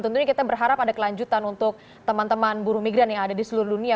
tentunya kita berharap ada kelanjutan untuk teman teman buruh migran yang ada di seluruh dunia